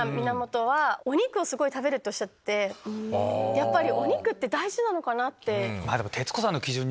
やっぱり。